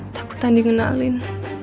takutan di ngenalin